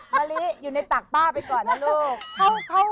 มะลิอยู่ในตักป้าไปก่อนนะลูก